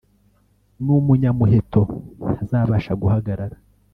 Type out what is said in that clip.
n’umunyamuheto ntazabasha guhagarara